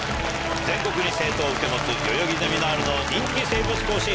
全国に生徒を受け持つ代々木ゼミナールの人気生物講師